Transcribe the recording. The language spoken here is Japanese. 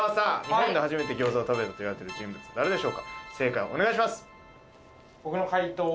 日本で初めて餃子を食べたといわれてる人物誰でしょうか正解をお願いします